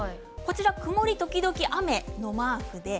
曇り時々雨が上のマークです。